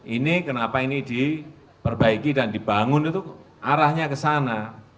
ini kenapa ini diperbaiki dan dibangun itu arahnya ke sana